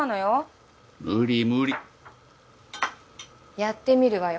やってみるわよ。